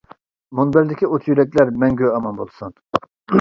مۇنبەردىكى ئوت يۈرەكلەر مەڭگۈ ئامان بولسۇن.